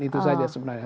itu saja sebenarnya